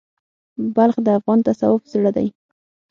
بلخ د افغان تصوف زړه دی.